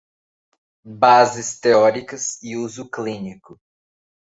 Bases teóricas e uso clínico